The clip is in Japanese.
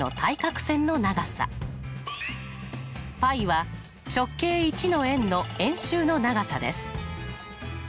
πは直径１の円の円周の長さです。